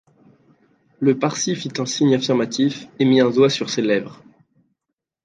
Le Parsi fit un signe affirmatif et mit un doigt sur ses lèvres.